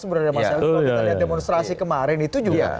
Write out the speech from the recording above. sebenarnya masyarakat kita lihat demonstrasi kemarin itu juga